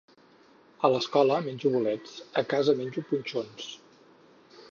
A l'escola menjo bolets, a casa menjo punxons